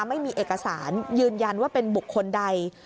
ไม่มีเอกสารยืนยันว่าเป็นบุคคลใด